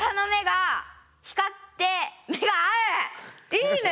いいね！